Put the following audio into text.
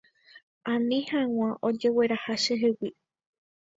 Ani hag̃ua ojegueraha chehegui.